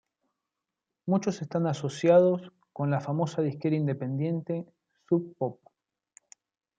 Muchos están asociados con la famosa disquera independiente Sub Pop.